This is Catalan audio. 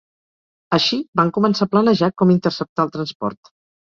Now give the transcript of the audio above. Així, van començar a planejar com interceptar el transport.